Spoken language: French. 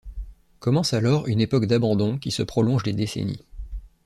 Commence alors une époque d'abandon qui se prolonge des décennies.